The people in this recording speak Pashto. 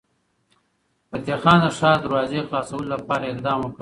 فتح خان د ښار د دروازې خلاصولو لپاره اقدام وکړ.